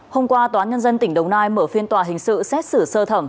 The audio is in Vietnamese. hôm qua tòa nhân dân tỉnh đồng nai mở phiên tòa hình sự xét xử sơ thẩm